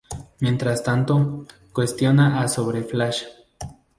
Mientras tanto, cuestiona a sobre Flash.